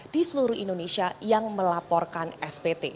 di seluruh indonesia yang melaporkan spt